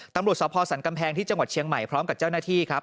ตำรวจสพสันกำแพงที่จังหวัดเชียงใหม่พร้อมกับเจ้าหน้าที่ครับ